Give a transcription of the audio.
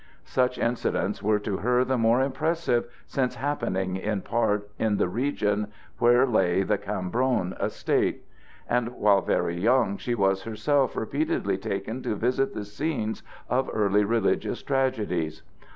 Such incidents were to her the more impressive since happening in part in the region where lay the Cambron estate; and while very young she was herself repeatedly taken to visit the scenes of early religious tragedies.